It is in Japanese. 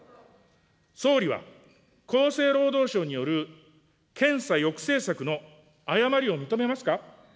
総理は厚生労働省による検査抑制策の誤りを認めますか。